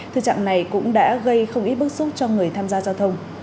thực trạng này cũng đã gây không ít bức xúc cho người tham gia giao thông